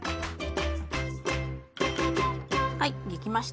はい出来ました。